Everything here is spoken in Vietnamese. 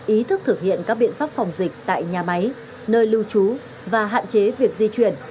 ý thức thực hiện các biện pháp phòng dịch tại nhà máy nơi lưu trú và hạn chế việc di chuyển